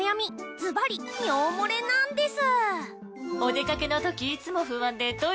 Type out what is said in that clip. ずばり尿もれなンデス！